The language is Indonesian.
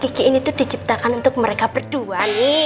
kiki ini tuh diciptakan untuk mereka berdua nih